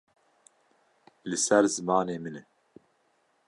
Li ser zimanê min e.